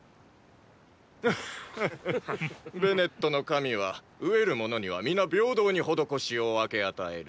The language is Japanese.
ベネットの神は飢えるものには皆平等に施しを分け与える。